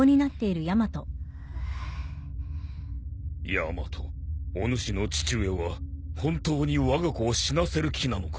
ヤマトおぬしの父上は本当にわが子を死なせる気なのか？